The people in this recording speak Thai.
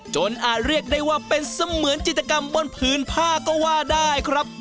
อาจเรียกได้ว่าเป็นเสมือนจิตกรรมบนผืนผ้าก็ว่าได้ครับ